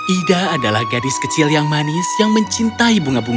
ida adalah gadis kecil yang manis yang mencintai bunga bunga